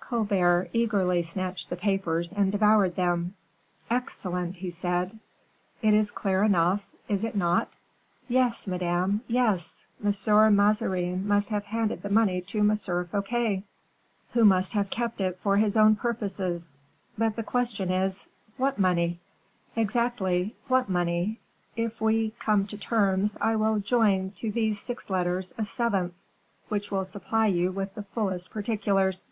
Colbert eagerly snatched the papers and devoured them. "Excellent!" he said. "It is clear enough, is it not?" "Yes, madame, yes; M. Mazarin must have handed the money to M. Fouquet, who must have kept it for his own purposes; but the question is, what money?" "Exactly, what money; if we come to terms I will join to these six letters a seventh, which will supply you with the fullest particulars."